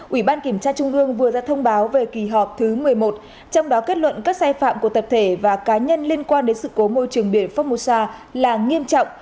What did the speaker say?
ủy ban kiểm tra trung ương vừa ra thông báo về kỳ họp thứ một mươi một trong đó kết luận các sai phạm của tập thể và cá nhân liên quan đến sự cố môi trường biển formosa là nghiêm trọng